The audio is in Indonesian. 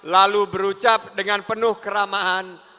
lalu berucap dengan penuh keramaan